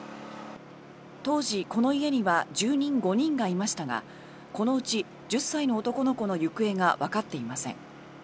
当時、この家には住人５人がいましたがこのうち１０歳の男の子の行方がわかっていません。